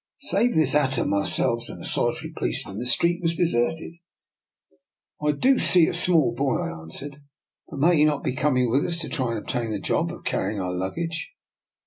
Save this atom, ourselves, and a solitary policeman, the street was deserted. " I do see a small boy," I answered; " but may he not be corrfng with us to try and ob tain the job of carrying our luggage?